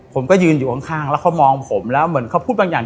ผมก็ยืนอยู่ข้างแล้วเขามองผมแล้วเหมือนเขาพูดบางอย่าง